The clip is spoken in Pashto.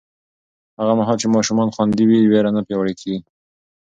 هغه مهال چې ماشومان خوندي وي، ویره نه پیاوړې کېږي.